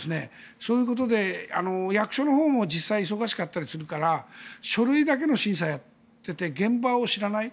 そういうことで役所のほうも実際忙しかったりするから書類だけの審査をやっていて現場を知らない。